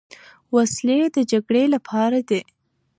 وسلې د جګړې لپاره دي.